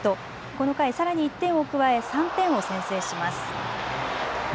この回、さらに１点を加え３点を先制します。